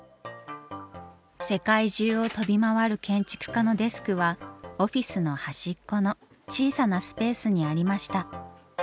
世界中を飛び回る建築家のデスクはオフィスの端っこの小さなスペースにありました。